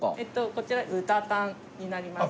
こちら豚タンになります。